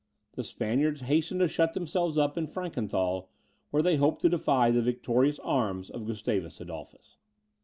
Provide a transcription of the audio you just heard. The Spaniards hastened to shut themselves up in Frankenthal, where they hoped to defy the victorious arms of Gustavus Adolphus.